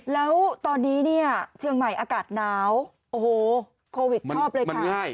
แล้วตอนนี้เนี่ยเชียงใหม่อากาศหนาวโอ้โหโควิดชอบเลยค่ะ